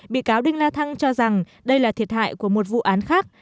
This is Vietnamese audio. bị cáo đinh la thăng cho rằng đây là thiệt hại của một vụ án khác